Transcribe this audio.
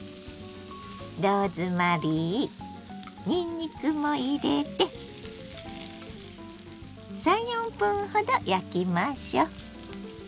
ローズマリーにんにくも入れて３４分ほど焼きましょう。